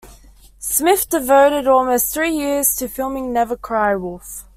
Smith devoted almost three years to filming Never Cry Wolf.